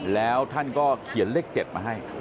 แล้วท่านก็เขียนเลข๗มาให้